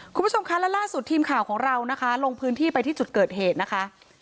คุณผู้ชมคะแล้วล่าสุดทีมข่าวของเรานะคะลงพื้นที่ไปที่จุดเกิดเหตุนะคะ